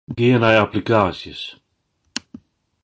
Gean nei applikaasjes.